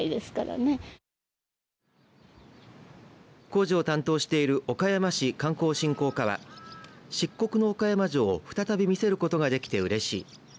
工事を担当している岡山市観光振興課は漆黒の岡山城を再び見せることができてうれしい。